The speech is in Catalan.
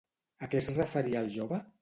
A què es referia el jove?